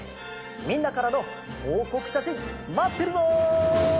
みんなからのほうこくしゃしんまってるぞ！